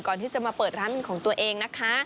ก่อนที่จะมาเปิดร้านเป็นของตัวเองนะคะ